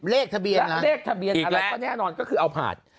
เลขทะเบียนเลขทะเบียนอะไรก็แน่นอนก็คือเอาผ่าน